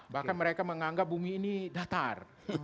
bahkan mereka menganggap bumi ini datar